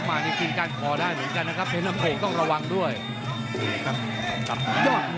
อ๋อยัดไส้เขาเรียกว่ายัดไส้เห็ดน้ำโขงทักพริกเขละหลากลม